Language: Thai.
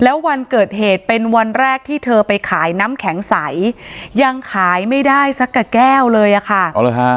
แล้ววันเกิดเหตุเป็นวันแรกที่เธอไปขายน้ำแข็งใสยังขายไม่ได้สักกับแก้วเลยอะค่ะ